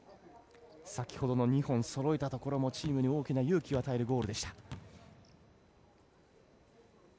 先ほどの２本そろえたところもチームに大きな勇気を与えるゴールでした。